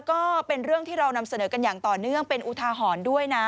ก็เป็นเรื่องที่เรานำเสนอกันอย่างต่อเนื่องเป็นอุทาหรณ์ด้วยนะ